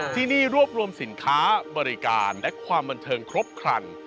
ที่นี่รวบรวมสินค้าบริการและความบันเทิงครบครัน